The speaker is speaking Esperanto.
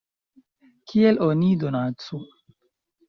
Kiel oni donacu?